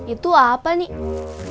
itu apa nih